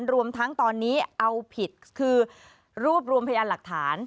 รวมทั้งตอนนี้เอาผิดคือรวบรวมพยานหลักฐาน